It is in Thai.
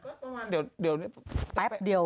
ก็ตรงวันเดี๋ยว